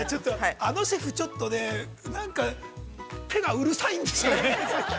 ◆あのシェフちょっとね、なんか、手がうるさいんですよね。